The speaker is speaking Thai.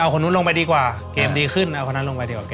เอาคนดูดดีกว่าเกมดีขึนเอาคนนั้นดีกว่า